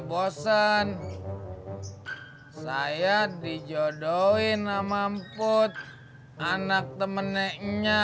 bosan saya dijodohin nama mput anak temennya